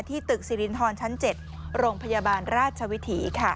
ตึกสิรินทรชั้น๗โรงพยาบาลราชวิถี